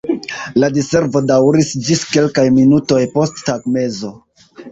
La Diservo daŭris ĝis kelkaj minutoj post tagmezo.